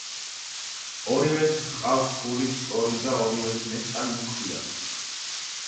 ორივეს ჰყავს გულის სწორი და ორივეს ნესტანი ჰქვია.